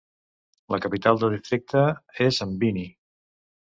La capital del districte és Mbini.